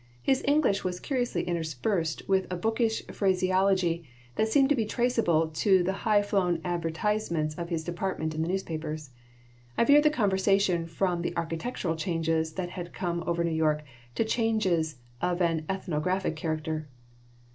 His English was curiously interspersed with a bookish phraseology that seemed to be traceable to the high flown advertisements of his department in the newspapers. I veered the conversation from the architectural changes that had come over New York to changes of an ethnographic character.